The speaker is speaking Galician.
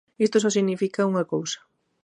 Isto só significa unha cousa.